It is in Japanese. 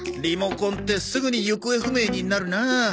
リモコンってすぐに行方不明になるなあ。